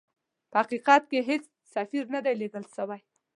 په حقیقت کې هیڅ سفیر نه دی لېږل سوی.